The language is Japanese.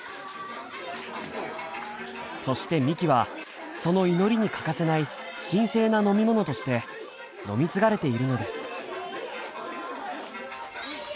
そしてみきはその祈りに欠かせない神聖な飲み物として飲み継がれているのです。